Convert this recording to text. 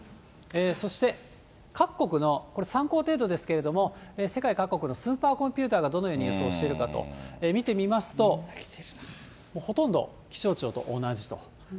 そして各国の、これ参考程度ですけれども、世界各国のスーパーコンピューターがどのように予想しているかと見てみますと、ほとんど気象庁と同じと。